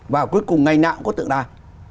và cuối cùng ngành nào cũng có tượng đài